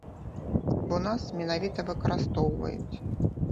Бо нас менавіта выкарыстоўваюць.